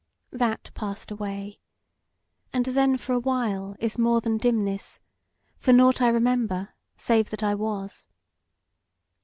That passed away, and then for a while is more than dimness, for nought I remember save that I was.